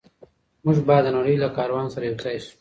موږ باید د نړۍ له کاروان سره یوځای شو.